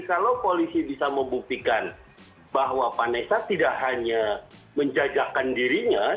kalau polisi bisa membuktikan bahwa vanessa tidak hanya menjajakan dirinya